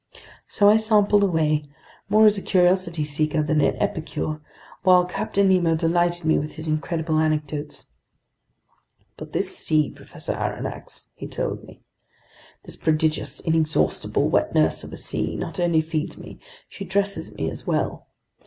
So I sampled away, more as a curiosity seeker than an epicure, while Captain Nemo delighted me with his incredible anecdotes. "But this sea, Professor Aronnax," he told me, "this prodigious, inexhaustible wet nurse of a sea not only feeds me, she dresses me as well.